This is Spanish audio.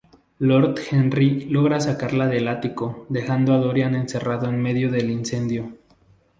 Lord Henry logra sacarla del ático dejando a Dorian encerrado en medio del incendio.